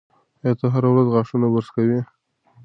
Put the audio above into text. ایا ته هره ورځ غاښونه برس کوې؟